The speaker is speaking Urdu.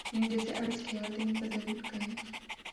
لیکن جیسے عرض کیا دن بدل گئے ہیں۔